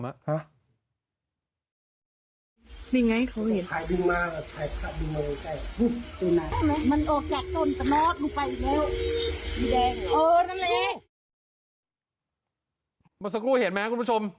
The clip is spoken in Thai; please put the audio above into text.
มาสักรูเห็นมั้ยคุณผู้ชม